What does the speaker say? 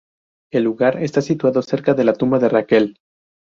El lugar está situado cerca de la tumba de Raquel.